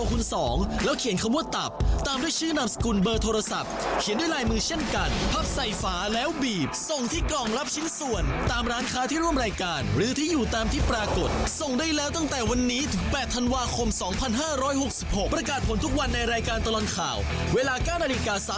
เขียนคำว่าตับตามด้วยชื่อนามสกุลเบอร์โทรศัพท์เขียนด้วยลายมือเช่นกันพับใส่ฝาแล้วบีบส่งที่กล่องรับชิ้นส่วนตามร้านค้าที่ร่วมรายการหรือที่อยู่ตามที่ปรากฏส่งได้แล้วตั้งแต่วันนี้ถึง๘ธันวาคม๒๕๖๖ประกาศผลทุกวันในรายการตลอดข่าวเวลา๙นาฬิกา๓๐